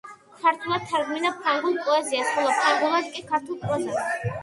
ქართულად თარგმნიდა ფრანგულ პოეზიას, ხოლო ფრანგულად კი ქართულ პროზას.